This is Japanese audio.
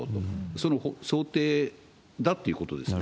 その想定だということですね。